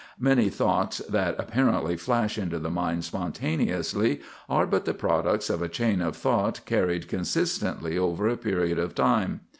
Many thoughts that apparently flash into the mind spontaneously are but the products of a chain of thought carried consistently over a period of time.